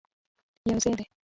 یوځای دې،